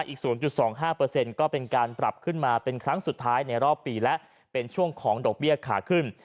อีก๐๒๕ก็เป็นการปรับขึ้นมาเป็นครั้งสุดท้ายในรอบปีและเป็นช่วงของดอกเบี้ยขาขึ้น